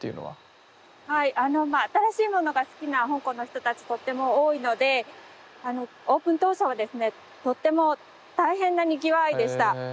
はいあのまあ新しいものが好きな香港の人たちとっても多いのでオープン当初はですねとっても大変なにぎわいでした。